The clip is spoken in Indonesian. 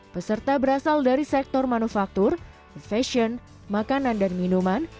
peserta berasal dari sektor manufaktur fashion makanan dan minuman